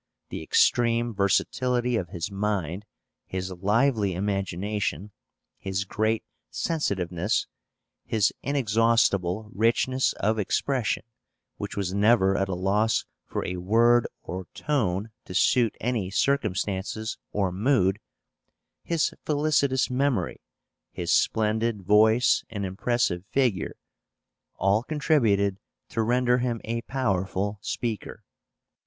The extreme versatility of his mind, his lively imagination, his great sensitiveness, his inexhaustible richness of expression, which was never at a loss for a word or tone to suit any circumstances or mood, his felicitous memory, his splendid voice and impressive figure, all contributed to render him a powerful speaker.